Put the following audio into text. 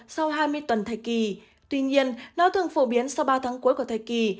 sau hai mươi tuần thai kỳ tuy nhiên nó thường phổ biến sau ba tháng cuối của thai kỳ